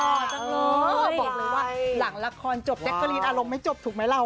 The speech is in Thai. บอกเลยว่าหลังละครจบแจ๊กกะลีนอารมณ์ไม่จบถูกไหมเรา